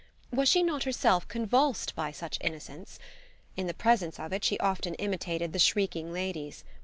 Was she not herself convulsed by such innocence? In the presence of it she often imitated the shrieking ladies.